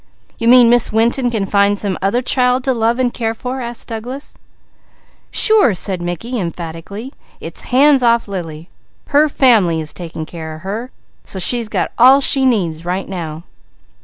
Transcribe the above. "You mean Miss Winton can find some other child to love and care for?" asked Douglas. "Sure!" said Mickey emphatically. "It's hands off Lily. Her family is taking care of her, so she's got all she needs right now."